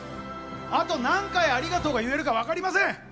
あと何回、ありがとうが言えるか分かりません。